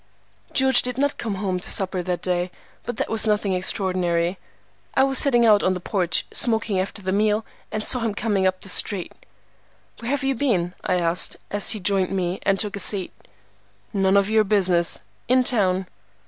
George did not come home to supper that day, but that was nothing extraordinary. I was sitting out on the porch, smoking after the meal, and saw him coming up the street. "Where have you been?" I asked, as he joined me and took a seat. "None of your business. In town."